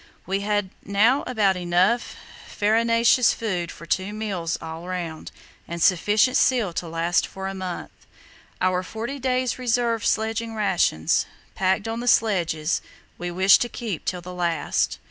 We had now about enough farinaceous food for two meals all round, and sufficient seal to last for a month. Our forty days' reserve sledging rations, packed on the sledges, we wished to keep till the last.